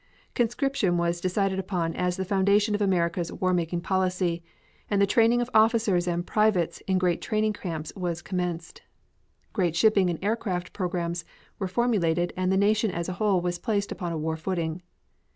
Conscription was decided upon as the foundation of America's war making policy, and the training of officers and privates in great training camps was commenced. Great shipping and aircraft programs were formulated and the nation as a whole was placed upon a war footing.